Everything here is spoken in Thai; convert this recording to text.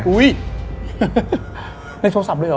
อุ๊ยในโทรศัพท์เลยเหรอ